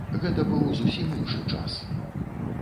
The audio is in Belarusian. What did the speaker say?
Гэта быў зусім іншы час!